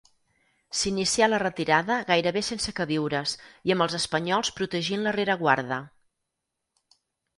S'inicià la retirada gairebé sense queviures i amb els espanyols protegint la rereguarda.